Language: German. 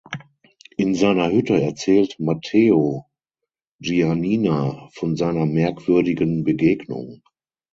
In seiner Hütte erzählt Matteo Giannina von seiner merkwürdigen Begegnung.